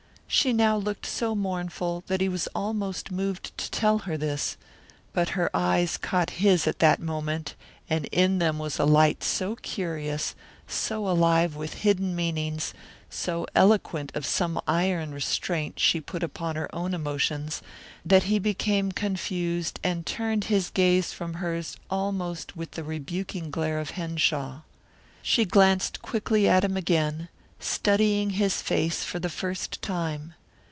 She now looked so mournful that he was almost moved to tell her this, but her eyes caught his at that moment and in them was a light so curious, so alive with hidden meanings, so eloquent of some iron restraint she put upon her own emotions, that he became confused and turned his gaze from hers almost with the rebuking glare of Henshaw. She glanced quickly at him again, studying his face for the first time.